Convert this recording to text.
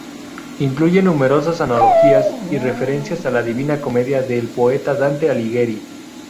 Incluye numerosas analogías y referencias a la "Divina Comedia", del poeta Dante Alighieri.